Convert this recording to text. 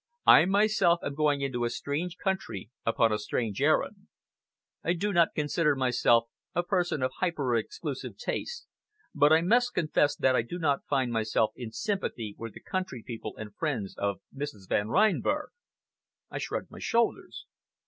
I myself am going into a strange country upon a strange errand. I do not consider myself a person of hyper exclusive tastes, but I must confess that I do not find myself in sympathy with the country people and friends of Mrs. Van Reinberg!" I shrugged my shoulders.